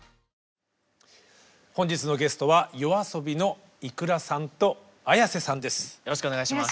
本日のゲストはＹＯＡＳＯＢＩのｉｋｕｒａさんとＡｙａｓｅさんです。